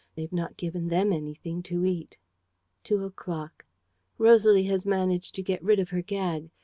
They have not given them anything to eat. "Two o'clock. "Rosalie has managed to get rid of her gag.